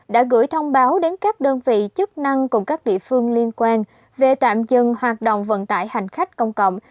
đã gửi thông báo đến các đơn vị chức năng cùng các địa phương liên quan về tạm dừng hoạt động vận tải hành khách công cộng